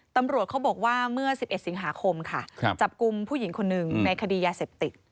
ตำรวจเขาบอกว่าเมื่อ๑๑สิงหาคมค่ะจับกลุ่มผู้หญิงคนหนึ่งในคดียาเสพติด